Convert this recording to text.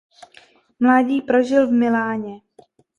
Mládí prožil v Miláně.